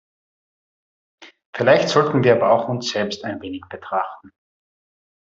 Vielleicht sollten wir aber auch uns selbst ein wenig betrachten.